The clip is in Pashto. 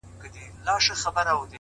د گلو كر نه دى چي څوك يې پــټ كړي،